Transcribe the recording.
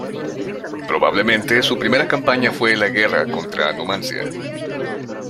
Probablemente su primera campaña fue la guerra contra Numancia.